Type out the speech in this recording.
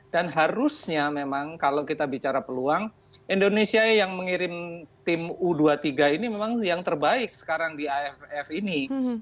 dan harusnya memang kalau kita bicara peluang indonesia yang mengirim tim u dua puluh tiga ini memang yang terbaik sekarang di aff ini